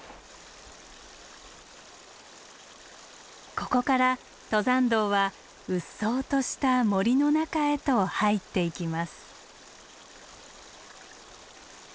ここから登山道はうっそうとした森の中へと入っていきます。